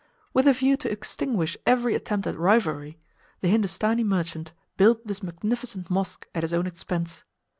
With a view to extinguish every attempt at rivalry the Hindustanee merchant built this magnificent mosque at his own expense.